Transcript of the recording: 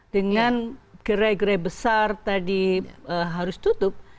dengan gerai gerai besar tadi harus tutup